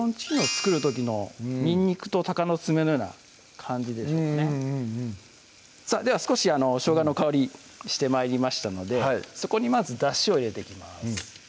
作る時のにんにくとたかのつめのような感じでしょうねでは少ししょうがの香りして参りましたのでそこにまずだしを入れていきます